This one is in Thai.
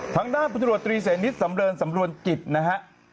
ทางด้านบริษัทธิวรัตนีสเสนทิศสำเริญสำรวจกิจนะฮะ